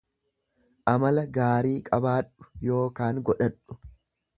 Amala gaarii qabaadhu ykn godhadhu.